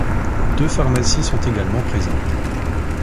Deux pharmacies sont également présentes.